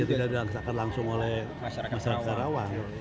yang tidak dirasakan langsung oleh masyarakat kerawang